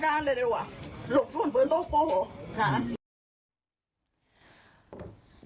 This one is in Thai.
ต้องเพราะ